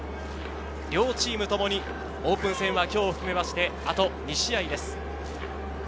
両チームともにオープン戦は今日を含めまして、あと２試合です。